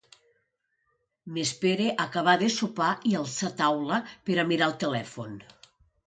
M’espere a acabar de sopar i alçar taula per a mirar el telèfon.